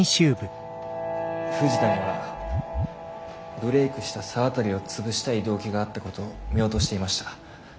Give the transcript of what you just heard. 藤田にはブレークした沢渡をつぶしたい動機があったことを見落としていました。